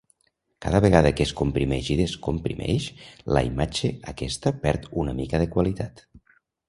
Cada vegada que es comprimeix i descomprimeix la imatge aquesta perd una mica de qualitat.